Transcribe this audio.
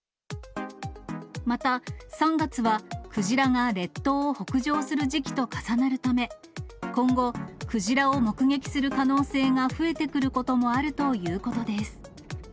また、３月はクジラが列島を北上する時期と重なるため、今後、クジラを目撃する可能性が増えてくることもあるということです。